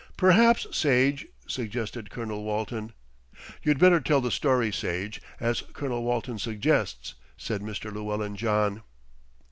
"Perhaps, Sage " suggested Colonel Walton. "You'd better tell the story, Sage, as Colonel Walton suggests," said Mr. Llewellyn John.